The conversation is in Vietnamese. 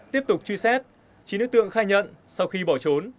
tiếp tục truy xét chín đối tượng khai nhận sau khi bỏ trốn